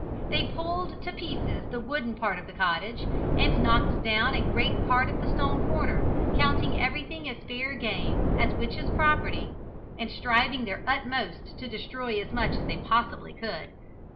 They pulled to pieces the wooden part of the cottage, and knocked down a great part of the stone corner, counting everything as fair game, as witches' property, and striving their utmost to destroy as much as they possibly could.